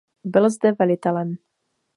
Byl zde velitelem.